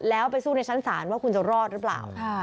แล้วไปสู้ในชั้นศาลว่าคุณจะรอดหรือเปล่า